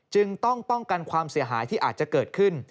จึงต้องป้องกันความเสียหายที่อาจจะเกิดขึ้น